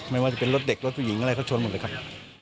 ไม่ว่าจะเป็นรถเด็กรถผู้หญิงอะไรเขาชนหมดเลยครับ